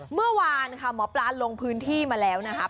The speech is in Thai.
เมื่อวานค่ะหมอปลาลงพื้นที่มาแล้วนะครับ